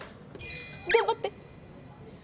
頑張って！